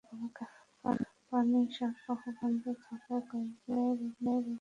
পানি সরবরাহ বন্ধ থাকায় কয়েক দিন ধরে রান্নাবান্না ঠিকমতো হচ্ছে না।